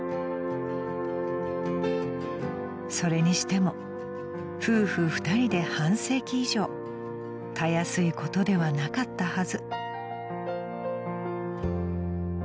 ［それにしても夫婦２人で半世紀以上たやすいことではなかったはず］